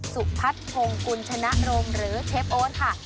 สุภัทรพงค์กุญชนะรมหรือเชฟโอ๊ตค่ะ